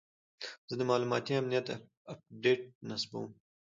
زه د معلوماتي امنیت اپډیټ نصبوم.